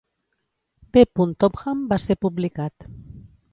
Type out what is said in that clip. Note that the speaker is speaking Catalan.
B. Topham va ser publicat.